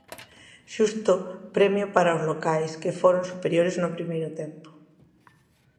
Xusto premio para os locais, que foron superiores no primeiro tempo.